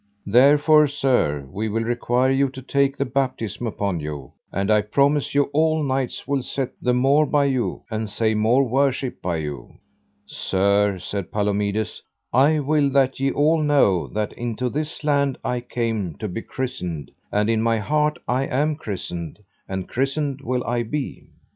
Therefore, sir, we will require you to take the baptism upon you, and I promise you all knights will set the more by you, and say more worship by you. Sir, said Palomides, I will that ye all know that into this land I came to be christened, and in my heart I am christened and christened will I be.